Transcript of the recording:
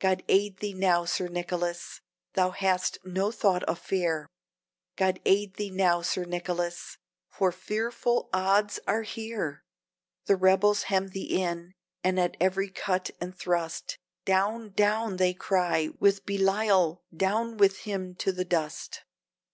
God aid thee now, Sir Nicholas! thou hast no thought of fear; God aid thee now, Sir Nicholas! for fearful odds are here! The rebels hem thee in, and at every cut and thrust, "Down, down," they cry, "with Belial! down with him to the dust."